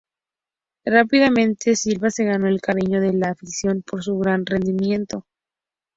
Rápidamente Silva se ganó el cariño de la afición por su gran rendimiento.